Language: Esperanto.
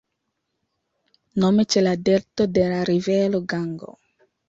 Nome ĉe la delto de la rivero Gango.